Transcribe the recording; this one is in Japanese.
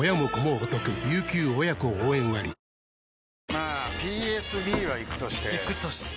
まあＰＳＢはイクとしてイクとして？